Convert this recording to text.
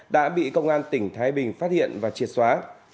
đã bị công an tỉnh thái bình phát hiện và triệt xóa